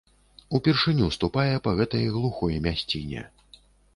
Упершыню ступае па гэтай глухой мясціне.